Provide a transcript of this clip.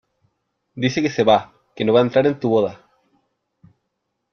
dice que se va , que no va a entrar en tu boda .